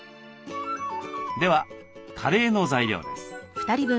ではカレーの材料です。